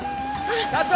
社長！